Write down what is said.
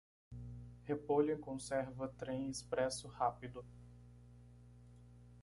Repolho em conserva Trem expresso rápido.